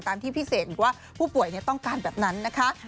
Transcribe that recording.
ที่พิเศษอีกว่าผู้ป่วยต้องการแบบนั้นนะคะ